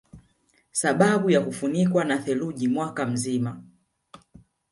Sababu ya kufunikwa na theluji mwaka mzima